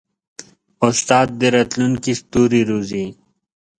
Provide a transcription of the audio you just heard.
استاد د راتلونکي ستوري روزي.